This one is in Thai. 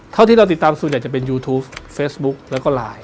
เท่าที่เราติดตามส่วนใหญ่จะเป็นยูทูปเฟซบุ๊กแล้วก็ไลน์